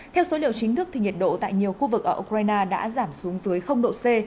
theo số liệu chính thức nhiệt độ tại nhiều khu vực ở ukraine đã giảm xuống dưới độ c